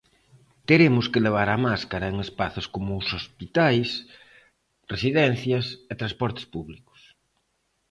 Teremos que levar a máscara en espazos como os hospitais, residencias e transportes públicos.